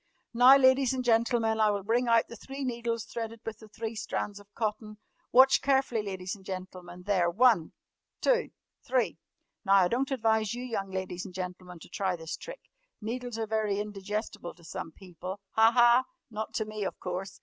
"Now, ladies and gentlemen, I will bring out the three needles threaded with the three strands of cotton. Watch carefully, ladies and gentlemen. There! One! Two! Three! Now, I don't advise you young ladies and gentlemen to try this trick. Needles are very indigestible to some people. Ha! Ha! Not to me, of course!